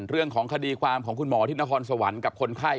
เรื่องของคดีความของคุณหมอที่นครสวรรค์กับคนไข้